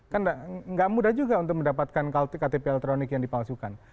kan nggak mudah juga untuk mendapatkan ktp elektronik yang dipalsukan